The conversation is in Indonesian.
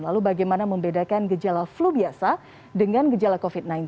lalu bagaimana membedakan gejala flu biasa dengan gejala covid sembilan belas